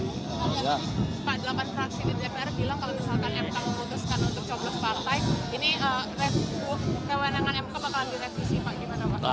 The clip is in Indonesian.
pak delapan fraksi di dpr bilang kalau misalkan mk memutuskan untuk coblos partai ini kewenangan mk bakalan direvisi pak gimana pak